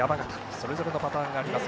それぞれのパターンがあります。